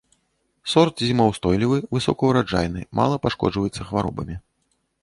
Сорт зімаўстойлівы, высокаўраджайны, мала пашкоджваецца хваробамі.